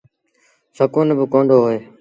سڪون با ڪوندو هوئي۔